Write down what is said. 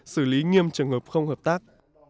xử lý nghiêm trường hợp không hợp tác